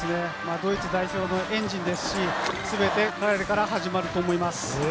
ドイツ代表のエンジンですし、全て彼から始まると思います。